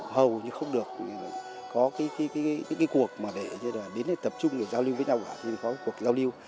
hầu như không được có những cuộc để tập trung để giao lưu với nhau